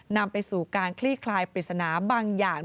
นำไปสู่การคลี่คลายปริศนาบางอย่าง